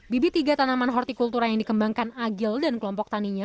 bibit tiga tanaman hortikultura yang dikembangkan agil dan kelompok taninya